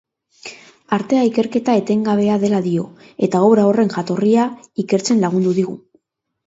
Artea ikerketa etengabea dela dio, eta obra horren jatorria ikertzen lagundu digu.